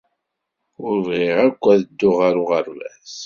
Ur bɣiɣ akk ad dduɣ ɣer uɣerbaz.